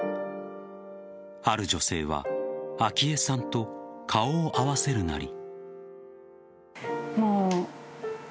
ある女性は昭恵さんと顔を合わせるなり。